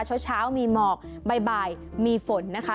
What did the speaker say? เช้ามีหมอกบ่ายมีฝนนะคะ